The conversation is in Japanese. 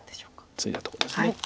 ツイだとこです。